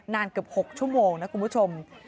เกือบ๖ชั่วโมงนะคุณผู้ชม